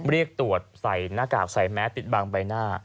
เรียกตรวจใส่หน้ากากใส่แมสปิดบางใบหน้า